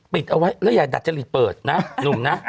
ปิดเอาไว้และอย่าดัดเจริตเปิดนะนุ่มนะ